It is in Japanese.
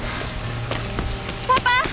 パパ！